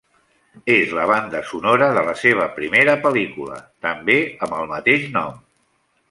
És la banda sonora de la seva primera pel·lícula, també amb el mateix nom.